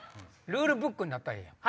ルールブックになったらええやん。